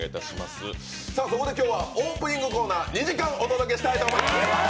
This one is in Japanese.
そこで今日はオープニングコーナー２時間お届けしたいと思います。